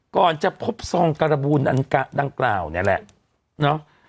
ก่อนจะพบซองการบูลอันดังกล่าวนี่แหละเนาะ